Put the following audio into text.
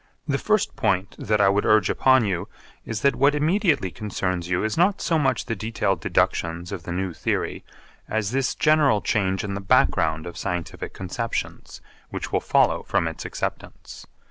The first point that I would urge upon you is that what immediately concerns you is not so much the detailed deductions of the new theory as this general change in the background of scientific conceptions which will follow from its acceptance.